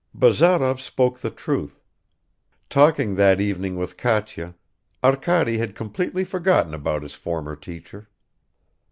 Bazarov spoke the truth. Talking that evening with Katya, Arkady had completely forgotten about his former teacher.